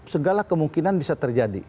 segala kemungkinan bisa terjadi